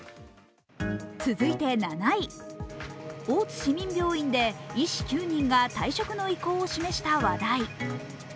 大津市民病院で医師９人が退職の意向を示した話題。